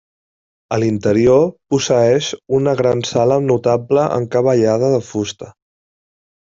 A l'interior posseeix una gran sala amb notable encavallada de fusta.